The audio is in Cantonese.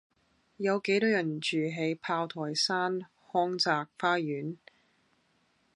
有幾多人住喺炮台山康澤花園